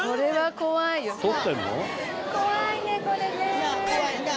怖いねこれね。